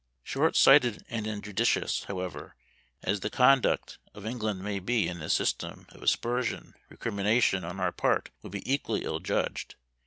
Short sighted and injudicious, however, as the conduct or England may be in this system of aspersion, recrimination on our part would be equally ill judged.